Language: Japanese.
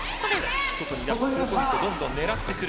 外に出す、ツーポイントどんどん狙ってくる。